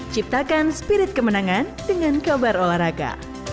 ciptakan spirit kemenangan dengan kabar olahraga